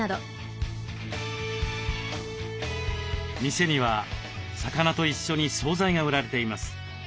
店には魚と一緒に総菜が売られています。